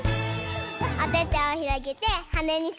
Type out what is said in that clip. おててをひろげてはねにするよ。